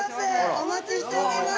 お待ちしておりました。